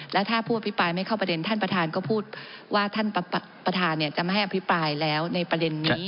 และถ้าผู้อภิปรายไม่เข้าประเด็นท่านประธานก็พูดว่าท่านประธานจะไม่ให้อภิปรายแล้วในประเด็นนี้